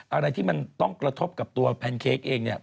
อะไรที่มันต้องกระทบกับตัวแพนเค้กเองเนี่ย